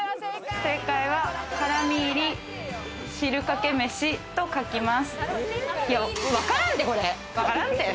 正解は辛味入汁掛飯と書きます。